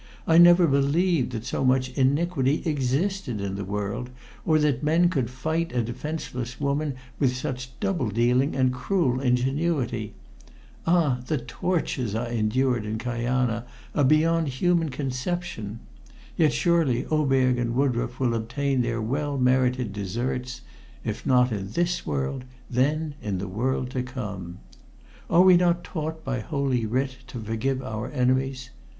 I never believed that so much iniquity existed in the world, or that men could fight a defenseless woman with such double dealing and cruel ingenuity. Ah! the tortures I endured in Kajana are beyond human conception. Yet surely Oberg and Woodroffe will obtain their well merited deserts if not in this world, then in the world to come. Are we not taught by Holy Writ to forgive our enemies?